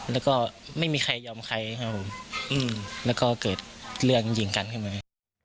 แล้วก็ไม่มีใครยอมใครครับผมแล้วก็เกิดเรื่องยิงกันขึ้นมา